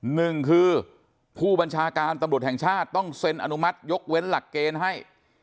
หนึ่งคือผู้บัญชาการตำรวจแห่งชาติต้องเซ็นอนุมัติยกเว้นหลักเกณฑ์ให้